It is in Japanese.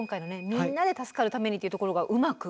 みんなで助かるためにっていうところがうまく。